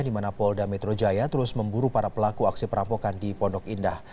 di mana polda metro jaya terus memburu para pelaku aksi perampokan di pondok indah